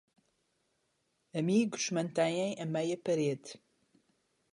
Amigos mantêm a meia parede.